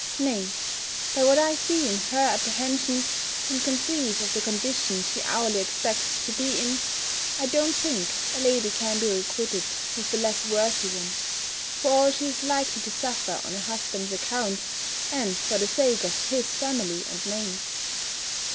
Nay, by what I see in her apprehensions, and conceive of the condition she hourly expects to be in, I don't think a lady can be requited with a less worthy one, for all she is likely to suffer on a husband's account, and for the sake of his family and name.